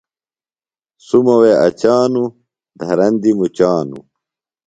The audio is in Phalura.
سُمہ وے اچانوۡ، دھرندیۡ مُچانوۡ